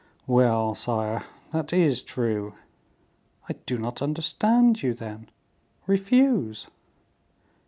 "Well, sire, that is true." "I do not understand you, then; refuse."